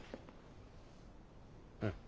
うん。